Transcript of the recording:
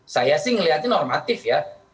saya sih melihatnya normatif ya